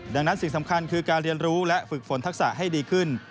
ดังนั้นสิ่งสำคัญคือการเรียนรู้และฝึกฝนทักษะให้ดีขึ้น